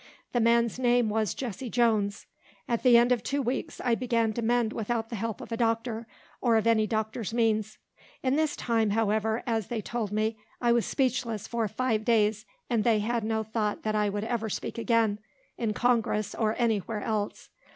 The man's name was Jesse Jones. At the end of two weeks I began to mend without the help of a doctor, or of any doctor's means. In this time, however, as they told me, I was speechless for five days, and they had no thought that I would ever speak again, in Congress or any where else.